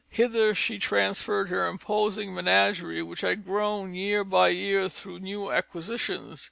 Hither she transferred her imposing menagerie which had grown year by year through new acquisitions.